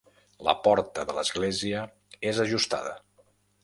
La porta de l'església és ajustada.